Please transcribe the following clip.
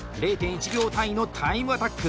０．１秒単位のタイムアタック。